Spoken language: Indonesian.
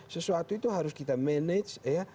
sesuatu itu harus kita manage ya